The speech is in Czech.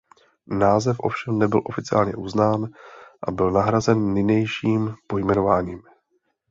Název ovšem nebyl oficiálně uznán a byl nahrazen nynějším pojmenováním.